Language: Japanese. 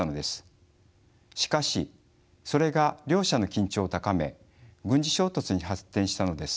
しかしそれが両者の緊張を高め軍事衝突に発展したのです。